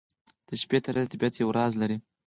د شپې تیاره د طبیعت یو راز لري.